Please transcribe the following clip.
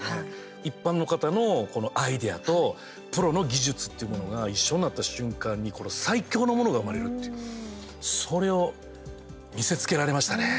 一般の方のアイデアとプロの技術っていうものが一緒になった瞬間に最強のものが生まれるっていうそれを見せつけられましたね。